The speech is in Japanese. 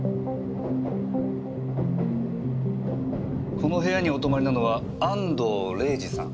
この部屋にお泊まりなのは安藤礼治さん。